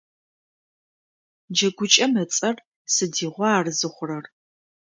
Джэгукӏэм ыцӏэр: «Сыдигъуа ар зыхъурэр?».